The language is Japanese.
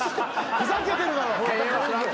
ふざけてるだろ！